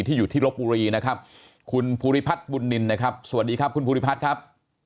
อยู่ที่ลบบุรีนะครับคุณภูริพัฒน์บุญนินนะครับสวัสดีครับคุณภูริพัฒน์ครับ